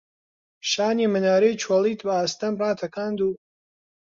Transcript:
شانی منارەی چۆلیت بە ئاستەم ڕاتەکاند و